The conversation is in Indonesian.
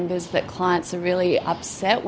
bahwa klien sangat sedih